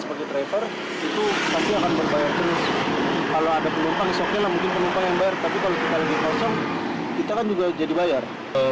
sebagai driver itu pasti akan berbayar terus kalau ada penumpang shocknya lah mungkin penumpang yang bayar tapi kalau kita lagi kosong kita kan juga jadi bayar